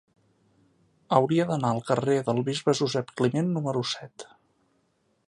Hauria d'anar al carrer del Bisbe Josep Climent número set.